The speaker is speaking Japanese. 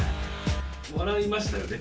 笑いましたよね？